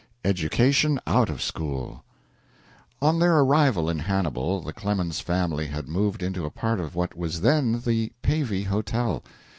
IV. EDUCATION OUT OF SCHOOL On their arrival in Hannibal, the Clemens family had moved into a part of what was then the Pavey Hotel.